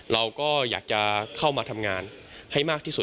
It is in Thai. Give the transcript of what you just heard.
เราก็อยากจะเข้ามาทำงานให้มากที่สุด